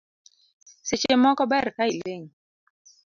Seche moko ber ka iling